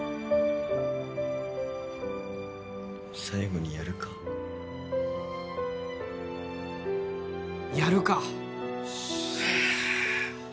最後にやるかやるか！